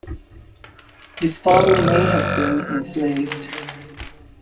His father may have been enslaved.